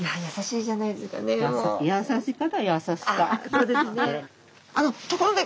優しいじゃないですかでも。